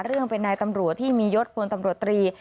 เรื่องเป็นนายตำรวจที่มียศพลตำรวจตรี